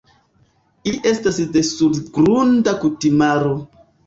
Ili estas de surgrunda kutimaro.